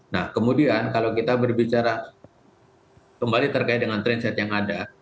nah kemudian kalau kita berbicara kembali terkait dengan trainset yang ada